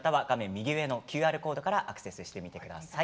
右上のＱＲコードからアクセスしてみてください。